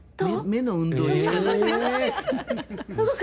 目の運動にしかなってない。